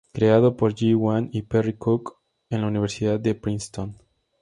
Creado por Ge Wang y Perry Cook, en la Universidad de Princeton.